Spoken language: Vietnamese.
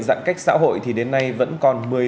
giãn cách xã hội thì đến nay vẫn còn